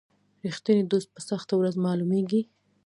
رښتینی دوست په سخته ورځ معلومیږي.